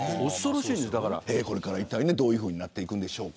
これから、いったいどういうふうになっていくんでしょうか。